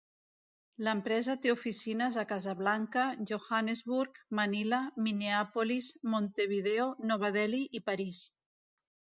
L'empresa té oficines a Casablanca, Johannesburg, Manila, Minneapolis, Montevideo, Nova Delhi i París.